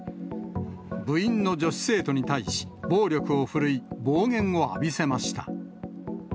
部員の女子生徒に対し、暴力を振るい、暴言を浴びせました。